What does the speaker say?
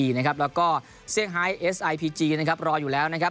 แล้วก็เซียงไฮเอสไอพีจีรออยู่แล้ว